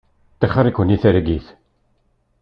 Tixeṛ-iken i targit.